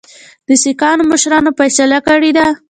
د سیکهانو مشرانو فیصله کړې ده.